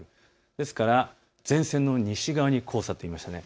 ですから前線の西側に黄砂と言いましたよね。